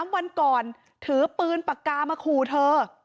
๓วันก่อนถือปืนปากกามาขู่เธอ